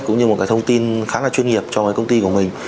cũng như một cái thông tin khá là chuyên nghiệp cho cái công ty của mình